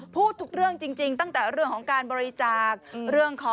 พูดเรื่องจริงเพราะเรื่องของการบริจาค